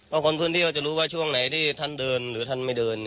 เพราะคนพื้นที่ก็จะรู้ว่าช่วงไหนที่ท่านเดินหรือท่านไม่เดิน